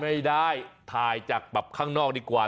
ไม่ได้ถ่ายจากแบบข้างนอกดีกว่า